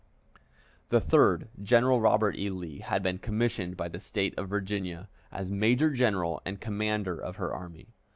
The third, General Robert E. Lee, had been commissioned by the State of Virginia as major general and commander of her army.